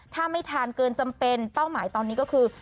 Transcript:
ถ้าไม่ทานเกินจำเป็นเป้าหมายตอนนี้ก็คือ